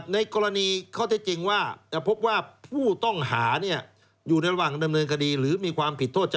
ในกรณีข้อที่จริงว่า